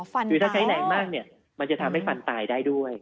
คือถ้าใช้แรงมากเนี่ยมันจะทำให้ฟันตายได้ด้วย